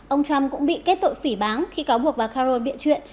ông trump cũng bị kết tội phỉ bán khi cáo buộc và caron bịa chuyện